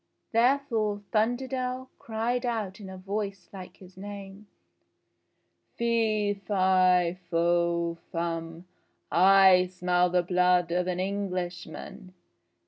Therefore Thunderdell cried out in a voice like his name : "Fee, fi, fo, fum! I smell the blood of an Englishman.